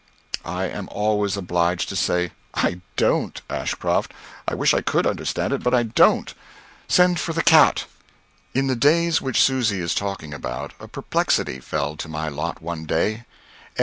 I am always obliged to say, "I don't, Ashcroft. I wish I could understand it, but I don't. Send for the cat." In the days which Susy is talking about, a perplexity fell to my lot one day.